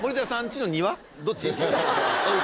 どっち？